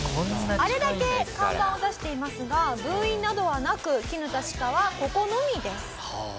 あれだけ看板を出していますが分院などはなくきぬた歯科はここのみです。